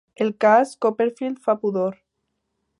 El cas Copperfield fa pudor.